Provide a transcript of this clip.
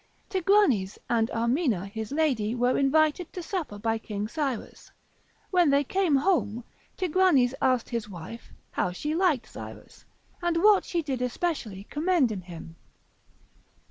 Tigranes and Armena his lady were invited to supper by King Cyrus: when they came home, Tigranes asked his wife, how she liked Cyrus, and what she did especially commend in him?